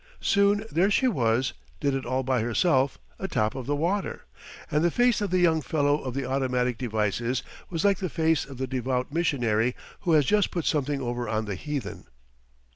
Soon there she was did it all by herself atop of the water. And the face of the young fellow of the automatic devices was like the face of the devout missionary who has just put something over on the heathen.